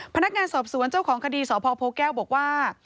พนักงานสอบสวนเจ้าของคดีสพโพแก้วบอกว่า